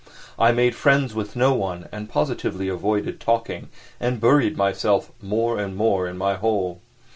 I made friends with no one and positively avoided talking, and buried myself more and more in my hole.